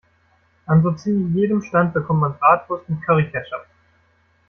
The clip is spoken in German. An so ziemlich jedem Stand bekommt man Bratwurst mit Curry-Ketchup.